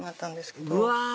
うわ！